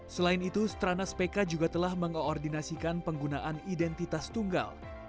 selain itu stranas pk juga telah mengoordinasikan penggunaan identitas tunggal